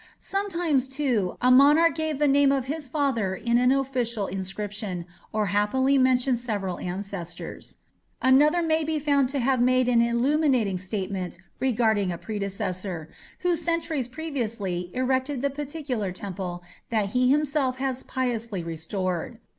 Sometimes, too, a monarch gave the name of his father in an official inscription, or happily mentioned several ancestors. Another may be found to have made an illuminating statement regarding a predecessor, who centuries previously erected the particular temple that he himself has piously restored.